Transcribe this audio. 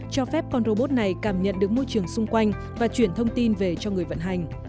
cho phép con robot này cảm nhận được môi trường xung quanh và chuyển thông tin về cho người vận hành